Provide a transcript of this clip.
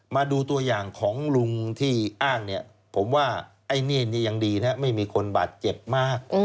มาดูตัวอย่างของลุงที่อ้างผมว่ายังดีไม่มีคนบาดเจ็บมาก